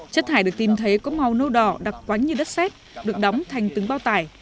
chất thải được tìm thấy có màu nâu đỏ đặc quánh như đất xét được đóng thành từng bao tải